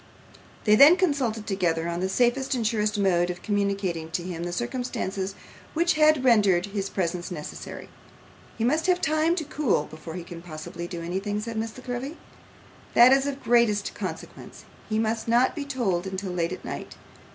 They then consulted together on the safest and surest mode of communicating to him the circumstances which had rendered his presence necessary. 'He must have time to cool before he can possibly do anything,' said Miss La Creevy. 'That is of the greatest consequence. He must not be told until late at night.